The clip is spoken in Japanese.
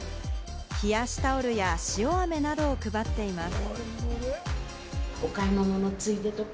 冷やしタオルや塩あめなどを配っています。